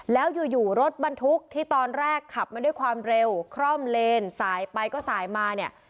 แล้วอยู่อยู่รถบรรทุกที่ตอนแรกขับมาด้วยความเร็วคร่อมเลนสายไปก็สายมาเนี่ย